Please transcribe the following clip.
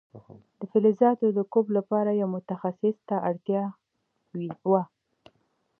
د فلزاتو د کوب لپاره یو متخصص ته اړتیا وه.